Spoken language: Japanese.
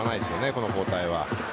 この交代は。